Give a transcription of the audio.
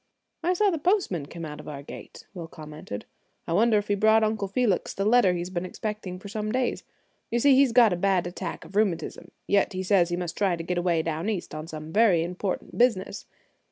"I saw the postman come out of our gate," Will commented. "I wonder if he brought Uncle Felix the letter he's been expecting for some days. You see, he's got a bad attack of rheumatism; yet he says he must try to get away Down East on some very important business.